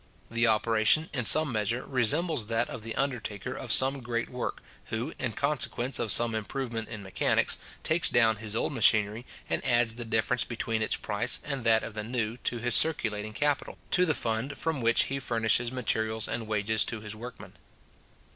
The operation, in some measure, resembles that of the undertaker of some great work, who, in consequence of some improvement in mechanics, takes down his old machinery, and adds the difference between its price and that of the new to his circulating capital, to the fund from which he furnishes materials and wages to his workmen.